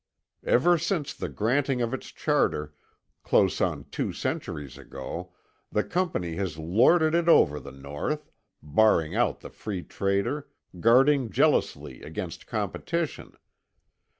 "Ever since the granting of its charter, close on two centuries ago, the Company has lorded it over the North, barring out the free trader, guarding jealously against competition.